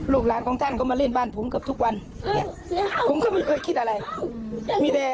หลานของท่านก็มาเล่นบ้านผมเกือบทุกวันผมก็ไม่เคยคิดอะไรมีแต่